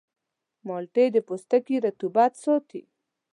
مالټې د پوستکي رطوبت ساتي.